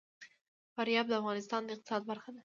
فاریاب د افغانستان د اقتصاد برخه ده.